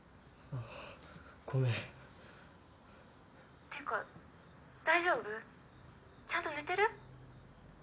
っていうか大丈夫？ちゃんと寝てる？